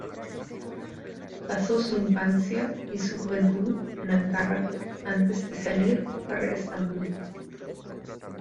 Pasó su infancia y su juventud en Ankara antes de salir para Estambul.